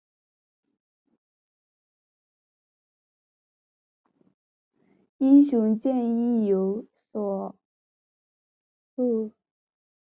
英雄剑亦由其所铸。